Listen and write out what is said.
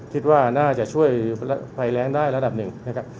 คิดว่าน่าจะช่วยภัยแรงได้ระดับหนึ่งนะครับ